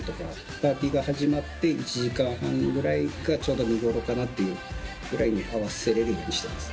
パーティーが始まって１時間半ぐらいがちょうど見頃かなっていうぐらいに合わせられるようにしてます。